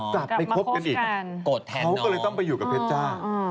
กลับไปคบกันอีกเขาก็เลยต้องไปอยู่กับเพชรจ้า